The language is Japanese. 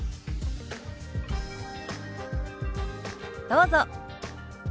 どうぞ。